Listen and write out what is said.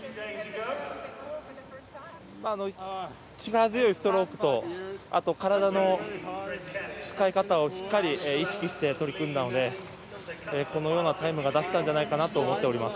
力強いストロークとあと、体の使い方をしっかり意識して取り組んだのでこのようなタイムが出せたんじゃないかなと思っております。